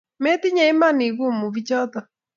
metinye iman ikuumu biichoto